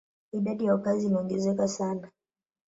Idadi ya wakazi iliongezeka sana.